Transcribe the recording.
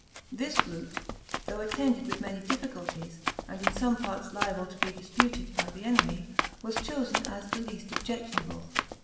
This route, though attended with many difficulties, and in some parts liable to be disputed by the enemy, was chosen as the least objectionable.